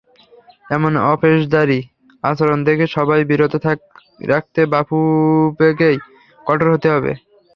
এমন অপেশাদারি আচরণ থেকে সবাইকে বিরত রাখতে বাফুফেকেই কঠোর হতে হবে।